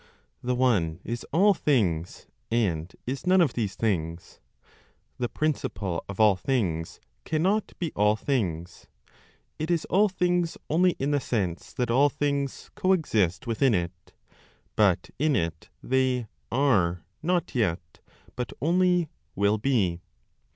The One is all things, and is none of these things. The Principle of all things cannot be all things. It is all things only in the sense that all things coexist within it. But in it, they "are" not yet, but only "will be."